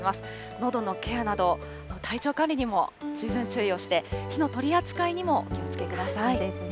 のどのケアなど、体調管理にも十分注意をして、火の取り扱いにもお気をつけください。